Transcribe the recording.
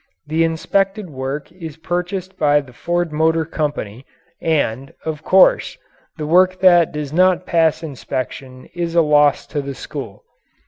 The inspected work is purchased by the Ford Motor Company, and, of course, the work that does not pass inspection is a loss to the school.